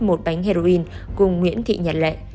một bánh heroin cùng nguyễn thị nhật lệ